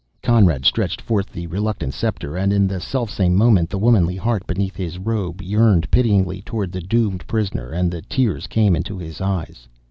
Conrad stretched forth the reluctant sceptre, and in the self same moment the womanly heart beneath his robe yearned pityingly toward the doomed prisoner, and the tears came into his eyes.